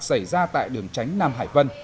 xảy ra tại đường tránh nam hải vân